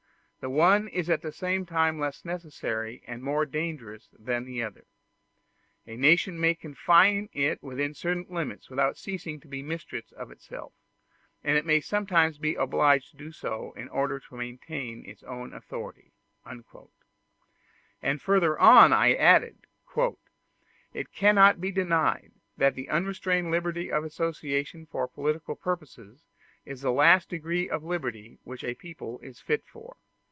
The one is at the same time less necessary and more dangerous than the other. A nation may confine it within certain limits without ceasing to be mistress of itself; and it may sometimes be obliged to do so in order to maintain its own authority." And further on I added: "It cannot be denied that the unrestrained liberty of association for political purposes is the last degree of liberty which a people is fit for.